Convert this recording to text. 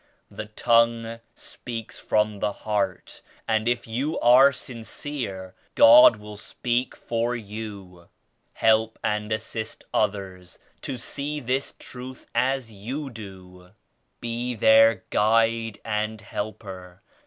The tongue speaks from the heart, and if you are sincere God will speak for you. Help and assist others to see this Truth as you do. Be their guide and helper.